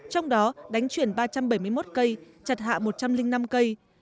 trong đó đánh chuyển ba trăm bảy mươi một cây chặt hạ một trăm linh năm cây